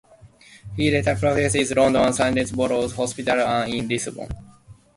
He later practiced in London at Saint Bartholomew's Hospital and in Lisbon.